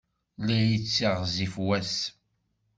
La yettiɣzif wass.